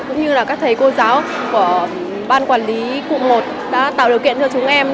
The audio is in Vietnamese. cũng như là các thầy cô giáo của ban quản lý cụ một đã tạo điều kiện cho chúng em